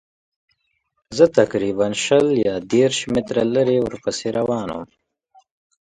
زه تقریباً شل یا دېرش متره لرې ورپسې روان وم.